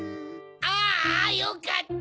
あよかった！